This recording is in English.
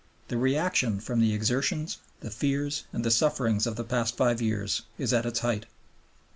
The reaction from the exertions, the fears, and the sufferings of the past five years is at its height.